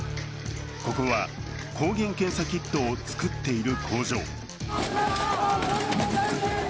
ここは抗原検査キットを作っている工場。